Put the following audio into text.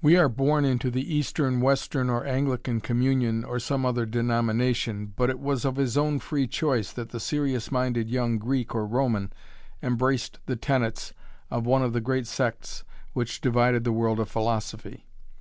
We are born into the Eastern, Western or Anglican communion or some other denomination, but it was of his own free choice that the serious minded young Greek or Roman embraced the tenets of one of the great sects which divided the world of philosophy.